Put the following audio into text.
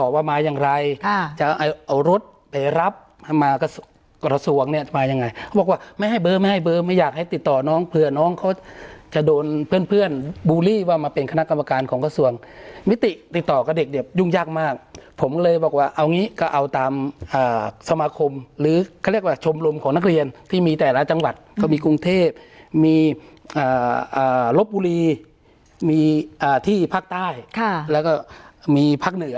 จะมายังไงเขาบอกว่าไม่ให้เบอร์ไม่ให้เบอร์ไม่อยากให้ติดต่อน้องเพื่อนน้องเขาจะโดนเพื่อนเพื่อนบูลลี่ว่ามาเป็นคณะกรรมการของกระทรวงวิธีติดต่อกับเด็กเด็บยุ่งยากมากผมเลยบอกว่าเอานี้ก็เอาตามสมาคมหรือเขาเรียกว่าชมรมของนักเรียนที่มีแต่ละจังหวัดก็มีกรุงเทพมีลบบูลลี่มีที่ภาคใต้ค่ะแล้วก็มี